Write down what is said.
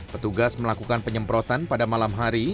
petugas melakukan penyemprotan pada malam hari